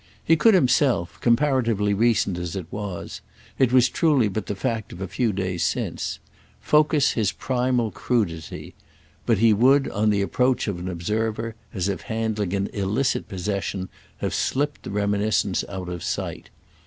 He could himself, comparatively recent as it was—it was truly but the fact of a few days since—focus his primal crudity; but he would on the approach of an observer, as if handling an illicit possession, have slipped the reminiscence out of sight.